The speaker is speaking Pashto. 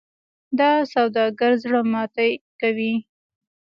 دا سوداګر زړه ماتې کوي.